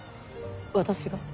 私が？